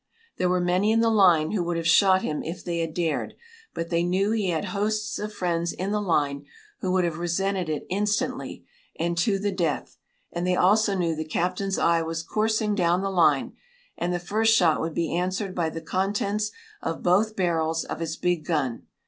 There were many in the line who would have shot him if they had dared, but they knew he had hosts of friends in the line who would have resented it instantly, and to the death, and they also knew the captain's eye was coursing down the line and the first shot would be answered by the contents of both barrels of his big gun.